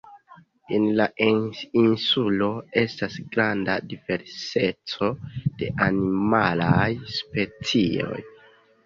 En la insulo, estas granda diverseco de animalaj specioj.